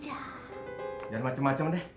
jangan macem macem deh